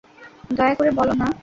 দয়া করে বলো না।